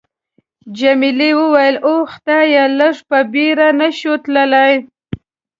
جميلې وويل:: اوه خدایه، لږ په بېړه نه شو تللای؟